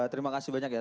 terima kasih banyak ya